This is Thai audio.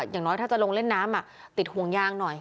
อย่างน้อยถ้าจะลงเล่นน้ำติดห่วงยางหน่อย